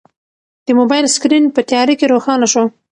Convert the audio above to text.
د موبایل سکرین په تیاره کې روښانه شو.